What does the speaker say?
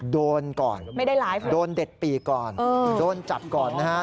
โดนก่อนไม่ได้ไลฟ์ค่ะโดนเด็ดปีกก่อนโดนจับก่อนนะฮะ